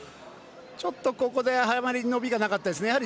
ちょっと、ここであまり伸びがなかったですね。